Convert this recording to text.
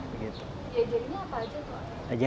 diajarin apa aja